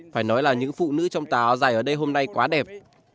phải nói là những phụ nữ trong tà áo dài ở đây hôm nay quá đẹp